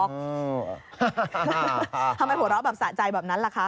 ทำไมหัวเราะแบบสะใจแบบนั้นล่ะคะ